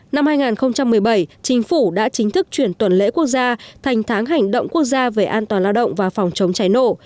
năm hai nghìn một mươi bảy chính phủ đã chính thức chuyển tuần lễ quốc gia thành tháng hành động quốc gia về an toàn lao động và phòng chống cháy nổ